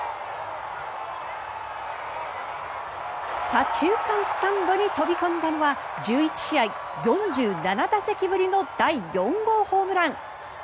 左中間スタンドに飛び込んだのは１１試合４７打席ぶりの第４号ホームラン。